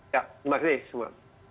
ya terima kasih semua